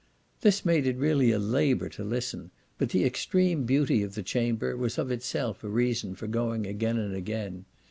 This made it really a labour to listen; but the extreme beauty of the chamber was of itself a reason for going again and again.